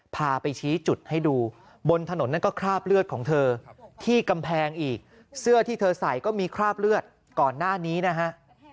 พาไปชี้จุดให้ดูบนถนนนั่นก็คราบเลือดของเธอที่กำแพงอีกเสื้อที่เธอใส่ก็มีคราบเลือดก่อนหน้านี้นะฮะ